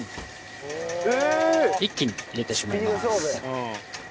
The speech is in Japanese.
一気に入れてしまいます。